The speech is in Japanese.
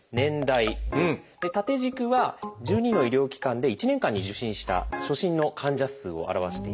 縦軸は１２の医療機関で１年間に受診した初診の患者数を表しています。